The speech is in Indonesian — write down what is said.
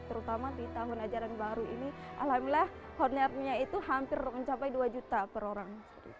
terutama di tahun ajaran baru ini alhamdulillah honornya itu hampir mencapai dua juta per orang